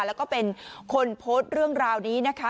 แล้วก็เป็นคนโพสต์เรื่องราวนี้นะคะ